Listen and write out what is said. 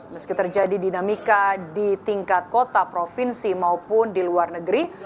meski terjadi dinamika di tingkat kota provinsi maupun di luar negeri